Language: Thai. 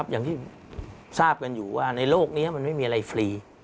อย่างที่ทราบกันอยู่ว่าในโลกนี้มันไม่มีอะไรฟรี